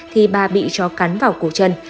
thì bà bị trói cắn vào cổ chân